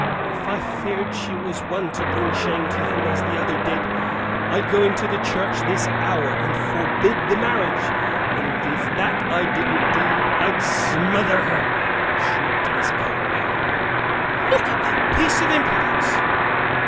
"If I feared she was one to bring shame to him, as the other did, I'd go into the church this hour and forbid the marriage; and if that didn't do, I'd smother her!" shrieked Miss Carlyle. "Look at that piece of impudence!"